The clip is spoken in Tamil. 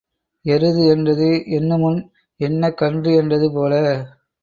எருது ஈன்றது என்னுமுன் என்ன கன்று என்றது போல.